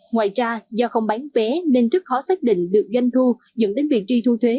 ngoài ra do không bán vé nên rất khó xác định được doanh thu dẫn đến vị trí thu thuế